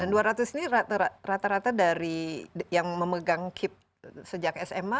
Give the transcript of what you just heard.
dan dua ratus ini rata rata dari yang memegang kip sejak sma